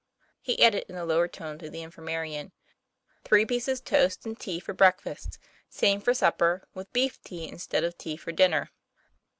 He added in a lower tone to the infirma rian: " Three pieces toast and tea for breakfast, same for supper, with beef tea instead of tea for dinner."